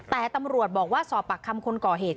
แต่ตำรวจบอกว่าสอบปากคำคนก่อเหตุ